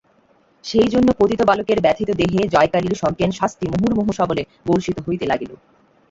সেইজন্য পতিত বালকের ব্যথিত দেহে জয়কালীর সজ্ঞান শাস্তি মুহুর্মুহু সবলে বর্ষিত হইতে লাগিল।